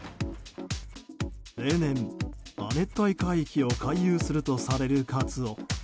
例年、亜熱帯海域を回遊するとされるカツオ。